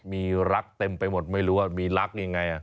มีรักเต็มไปหมดไม่รู้ว่ามีรักยังไง